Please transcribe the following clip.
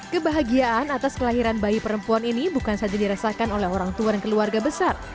kebahagiaan atas kelahiran bayi perempuan ini bukan saja dirasakan oleh orang tua dan keluarga besar